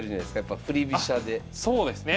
そうですね！